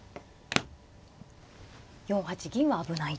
４八銀は危ないと。